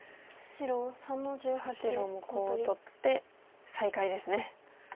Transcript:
さあ白もコウを取って再開ですね。